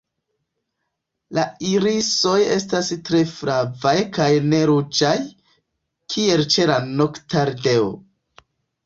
La irisoj estas tre flavaj kaj ne ruĝaj, kiel ĉe la Noktardeo.